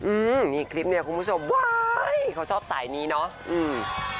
อืมมีคลิปเนี้ยคุณผู้ชมว้ายเขาชอบสายนี้เนอะอืม